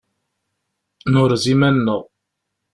Nurez iman-nneɣ.